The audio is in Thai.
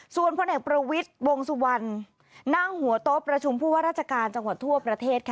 ส่วนพลเอกประวิทย์วงสุวรรณนั่งหัวโต๊ะประชุมผู้ว่าราชการจังหวัดทั่วประเทศ